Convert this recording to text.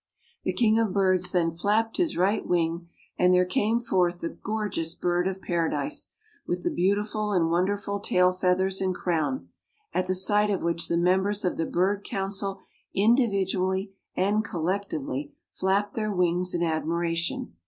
The king of birds then flapped his right wing and there came forth the gorgeous bird of paradise, with the beautiful and wonderful tail feathers and crown, at the sight of which the members of the bird council individually and collectively flapped their wings in admiration.